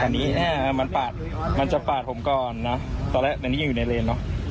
อันนี้มันจะปาดผมก่อนนะตอนแรกอยู่ในเลนเนอะ